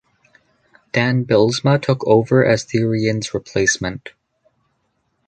Dan Bylsma took over as Therrien's replacement.